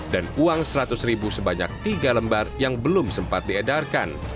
dan uang seratus ribu sebanyak tiga lembar yang belum sempat diedarkan